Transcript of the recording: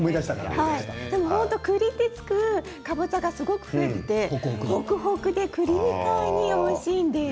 でも、栗って付くかぼちゃがすごく増えていてほくほくで、栗みたいにおいしいんです。